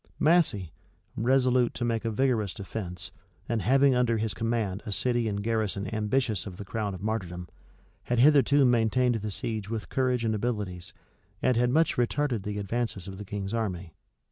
Massey, resolute to make a vigorous defence, and having under his command a city and garrison ambitious of the crown of martyrdom, had hitherto maintained the siege with courage and abilities, and had much retarded the advances of the king's army.